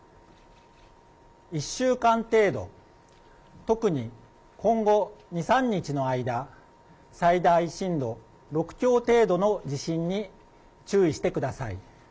１週間程度、特に今後２、３日の間、最大震度６強程度の地震に注意してください。